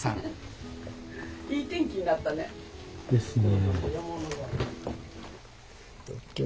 いい天気になったね。ですね。